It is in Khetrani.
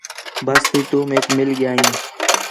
بس تی تو میک مِل ڳِیا ہیں